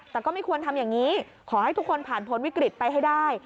แต่ก็ไม่ควรทำอย่างนี้ขอให้ทุกคนผ่านพ้นวิกฤตไปให้ได้